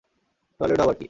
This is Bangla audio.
টলেডো আবার কী?